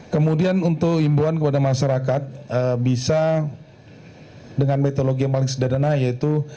kemudian untuk imbuan kepada masyarakat bisa dengan metodologi yang paling sederhana yaitu